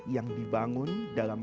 yang dibangun dalam